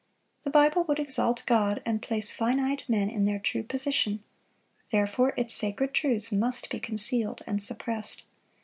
The Bible would exalt God, and place finite men in their true position; therefore its sacred truths must be concealed and suppressed.